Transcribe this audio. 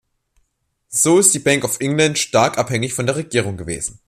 So ist die Bank of England stark abhängig von der Regierung gewesen.